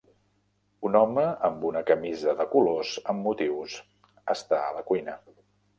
Un home amb una camisa de colors amb motius està a la cuina.